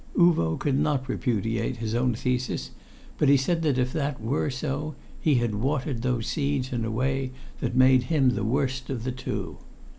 Uvo could not repudiate his own thesis, but he said that if that were so he had watered those seeds in a way that made him the worst of the two.